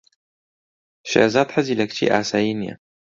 شێرزاد حەزی لە کچی ئاسایی نییە.